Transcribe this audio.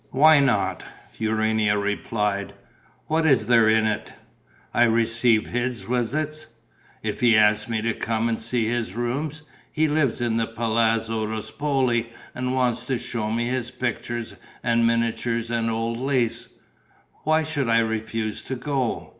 "Why not?" Urania replied. "What is there in it? I receive his visits. If he asks me to come and see his rooms he lives in the Palazzo Ruspoli and wants to show me his pictures and miniatures and old lace why should I refuse to go?